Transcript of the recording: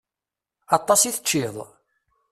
Aṭas i teččiḍ?